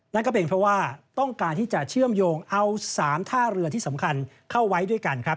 นั่นก็เป็นเพราะว่าต้องการที่จะเชื่อมโยงเอา๓ท่าเรือที่สำคัญเข้าไว้ด้วยกันครับ